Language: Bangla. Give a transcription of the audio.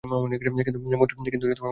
কিন্তু মন্ত্রী সেদিক দিয়া গেলেন না।